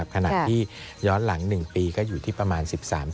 ขณะที่ย้อนหลัง๑ปีก็อยู่ที่ประมาณ๑๓ปี